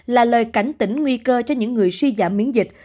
là lời cảnh tỉnh nguy cơ cho những người suy giảm miễn dịch